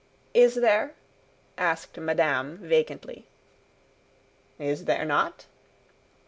"Is there?" asked madame, vacantly. "Is there not?"